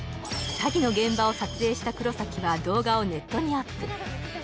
詐欺の現場を撮影した黒崎は動画をネットにアップ